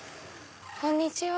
こんにちは。